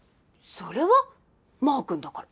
それはマー君だから！